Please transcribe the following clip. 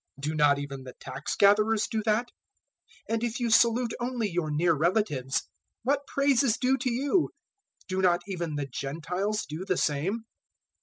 Do not even the tax gatherers do that? 005:047 And if you salute only your near relatives, what praise is due to you? Do not even the Gentiles do the same?